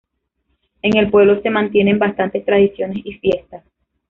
En el pueblo se mantienen bastantes tradiciones y fiestas.